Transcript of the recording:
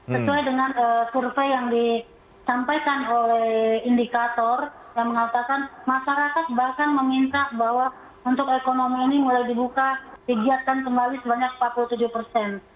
sesuai dengan survei yang disampaikan oleh indikator yang mengatakan masyarakat bahkan meminta bahwa untuk ekonomi ini mulai dibuka digiatkan kembali sebanyak empat puluh tujuh persen